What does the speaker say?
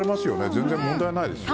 全然問題ないですね。